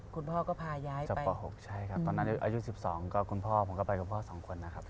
คุณพ่อก็พาย้ายจากป๖ใช่ครับตอนนั้นอายุ๑๒ก็คุณพ่อผมก็ไปกับพ่อ๒คนนะครับ